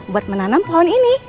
buat menanam pohon ini